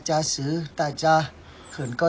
สวัสดีครับทุกคน